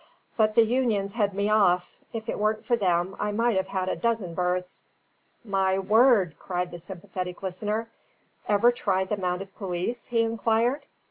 But the unions head me off; if it weren't for them, I might have had a dozen berths." "My word!" cried the sympathetic listener. "Ever try the mounted police?" he inquired.